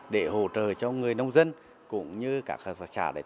để hỗ trợ cho người nông dân cũng như các phát triển